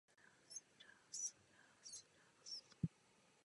Tohoto převratu se zúčastnil i pozdější prezident Juan Domingo Perón.